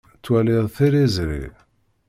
Ttwaliɣ tiliẓri.